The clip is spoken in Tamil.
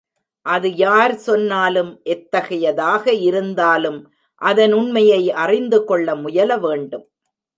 அது யார் சொன்னாலும் எத்தகையதாக இருந்தாலும் அதன் உண்மையை அறிந்துகொள்ள முயலவேண்டும்.